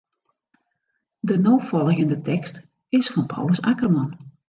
De no folgjende tekst is fan Paulus Akkerman.